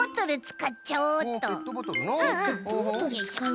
ペットボトルのう。